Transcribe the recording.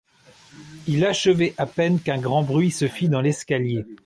Il achevait à peine qu'un grand bruit se fit dans l'escalier.